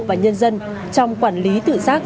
và nhân dân trong quản lý tự giác